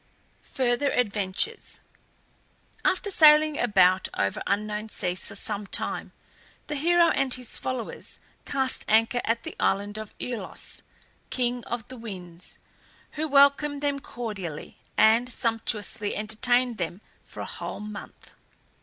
FURTHER ADVENTURES. After sailing about over unknown seas for some time the hero and his followers cast anchor at the island of AEolus, king of the Winds, who welcomed them cordially, and sumptuously entertained them for a whole month.